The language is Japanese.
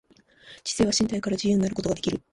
知性は身体から自由になることができる。